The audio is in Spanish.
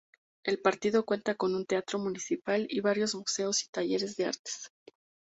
El Partido cuenta con un teatro municipal, y varios museos y talleres de artes.